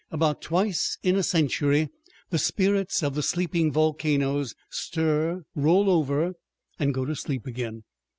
About twice in a century the spirits of the sleeping volcanoes stir, roll over, and go to sleep again.